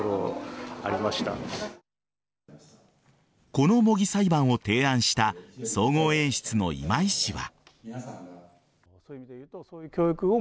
この模擬裁判を提案した総合演出の今井氏は。